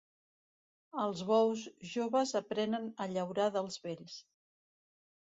Els bous joves aprenen a llaurar dels vells.